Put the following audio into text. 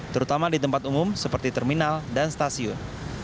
terutama di tempat umum seperti terminal dan stasiun